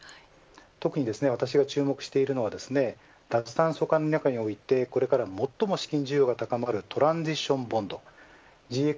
特に私が注目しているのは脱炭素化の中においてこれから最も資金需要が高まるトランジションボンド。